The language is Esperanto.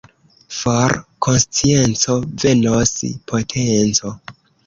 For konscienco, venos potenco.